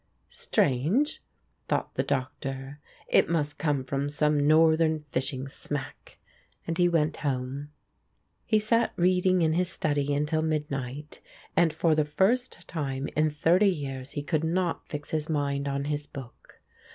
"Strange," thought the Doctor, "it must come from some Northern fishing smack," and he went home. He sat reading in his study until midnight, and for the first time in thirty years he could not fix his mind on his book.